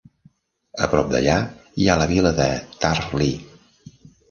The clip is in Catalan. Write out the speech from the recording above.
A prop d'allà hi ha la vila de Turf Lea.